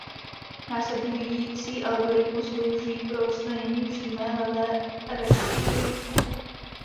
Následující algoritmus slouží pro odstranění přímé levé rekurze.